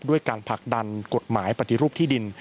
ด้วยการผลักดันกฎหมายปฏิรูปที่ดิน